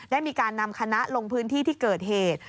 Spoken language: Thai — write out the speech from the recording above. ได้มีการนำคณะลงพื้นที่ที่เกิดเหตุ